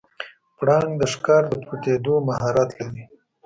پړانګ د ښکار د پټیدو مهارت لري.